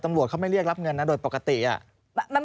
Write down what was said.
ตำรวจเขาไม่เรียกรับเงินนะโดยปกติอ่ะ